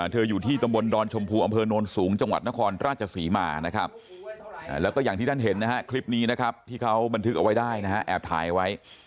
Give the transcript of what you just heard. อยู่ที่ตำบลดอนชมพูอำเภอโนนสูงจังหวัดนครราชศรีมานะครับแล้วก็อย่างที่ท่านเห็นนะฮะคลิปนี้นะครับที่เขาบันทึกเอาไว้ได้นะฮะแอบถ่ายไว้